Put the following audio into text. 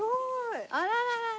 あらららら。